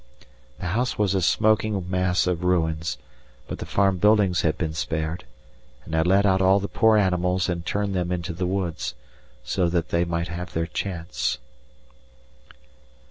The house was a smoking mass of ruins, but the farm buildings had been spared, and I let out all the poor animals and turned them into the woods, so that they might have their chance.